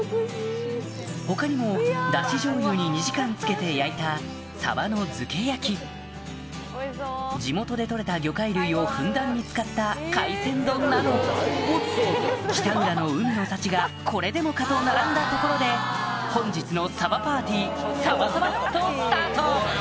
他にもダシじょうゆに２時間漬けて焼いた地元で取れた魚介類をふんだんに使った北浦の海の幸がこれでもかと並んだところで本日のサバパーティーサバサバっとスタート！